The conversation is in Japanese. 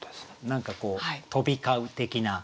何かこう飛び交う的な。